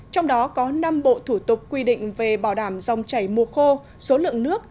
trong đó có năm bộ thủ tục quy định về bảo đảm dòng chảy mùa khô số lượng nước